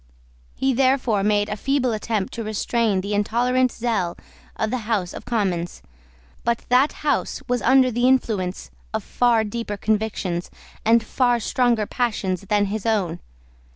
He therefore made a feeble attempt to restrain the intolerant zeal of the House of Commons; but that House was under the influence of far deeper convictions and far stronger passions than his own.